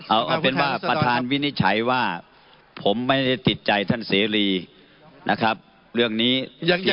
เอาเป็นว่าประธานวินิจฉัยว่าผมไม่ได้ติดใจท่านเสรีนะครับเรื่องนี้